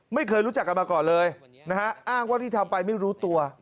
ไม่เคยรู้จักกันมาก่อนเลยนะฮะอ้างว่าที่ทำไปไม่รู้ตัว